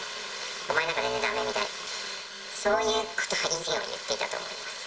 お前なんか全然だめみたいな、そういうことは以前は言ってたと思います。